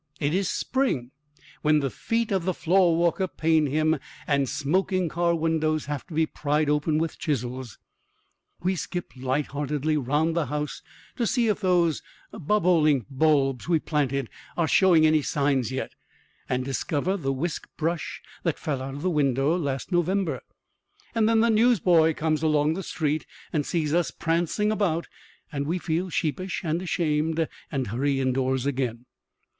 It is spring, when the feet of the floorwalker pain him and smoking car windows have to be pried open with chisels. We skip lightheartedly round the house to see if those bobolink bulbs we planted are showing any signs yet, and discover the whisk brush that fell out of the window last November. And then the newsboy comes along the street and sees us prancing about and we feel sheepish and ashamed and hurry indoors again.